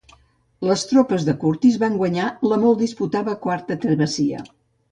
Les tropes de Curtis van guanyar la molt disputada quarta travessia.